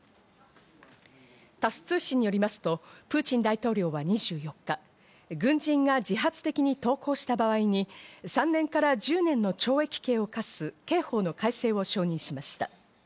タス通信によりますとプーチン大統領は２４日、軍人が自発的に投降した場合に３年から１０年の懲役刑を科す刑法の改正を承認しました。